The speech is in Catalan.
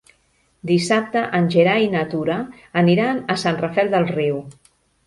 Dissabte en Gerai i na Tura aniran a Sant Rafel del Riu.